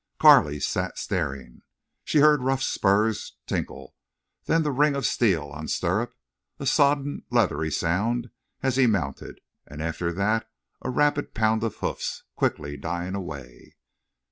Carley sat staring. She heard Ruff's spurs tinkle, then the ring of steel on stirrup, a sodden leathery sound as he mounted, and after that a rapid pound of hoofs, quickly dying away.